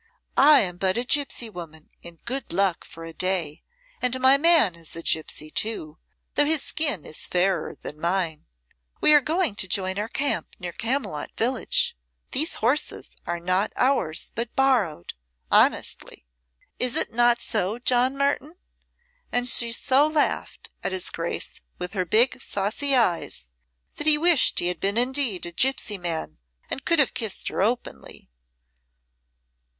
"I am but a gipsy woman in good luck for a day, and my man is a gipsy, too, though his skin is fairer than mine. We are going to join our camp near Camylott village. These horses are not ours but borrowed honestly. Is't not so, John Merton?" And she so laughed at his Grace with her big, saucy eyes, that he wished he had been indeed a gipsy man and could have kissed her openly.